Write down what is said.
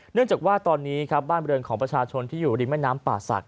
เนื่องจากว่าตอนนี้ครับบ้านบริเวณของประชาชนที่อยู่ริมแม่น้ำป่าศักด